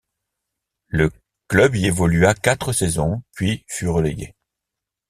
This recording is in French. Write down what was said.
Le club y évolua quatre saisons puis fut relégué.